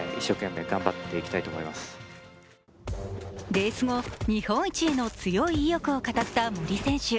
レース後、日本一への強い意欲を語った森選手。